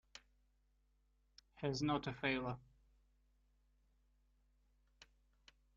He's not a failure!